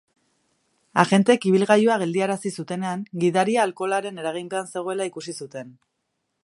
Agenteek ibilgailua geldiarazi zutenean, gidaria alkoholaren eraginpean zegoela ikusi zuten.